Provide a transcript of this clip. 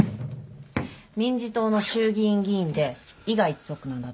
民事党の衆議院議員で伊賀一族なんだって。